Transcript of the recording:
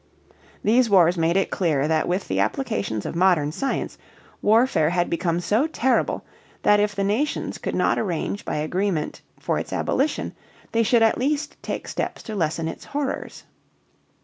These wars made it clear that with the applications of modern science warfare had become so terrible that, if the nations could not arrange by agreement for its abolition, they should at least take steps to lessen its horrors.